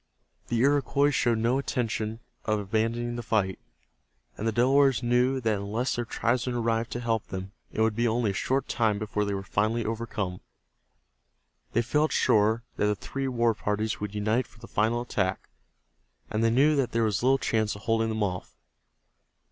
The Iroquois showed no intention of abandoning the fight, and the Delawares knew that unless their tribesmen arrived to help them it would be only a short time before they were finally overcome. They felt sure that the three war parties would unite for the final attack, and they knew that there was little chance of holding them off.